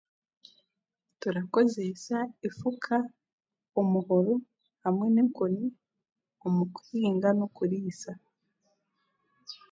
Turakozeesa efuka omuhoro hamwe n'enkoni omu kuhinga nokuriisa